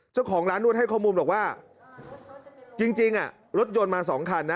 เจ้าของร้านนวดให้ข้อมูลบอกว่าจริงรถยนต์มาสองคันนะ